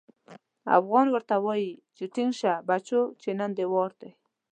افغان ورته وايي چې ټينګ شه بچو چې نن دې وار دی.